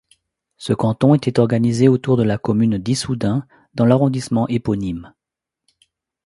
Ce canton était organisé autour de la commune d'Issoudun, dans l'arrondissement éponyme.